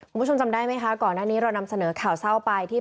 คุณผู้ชมจำได้ไหมคะก่อนหน้านี้เรานำเสนอข่าวเศร้าไปที่